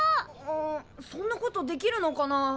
うんそんなことできるのかな？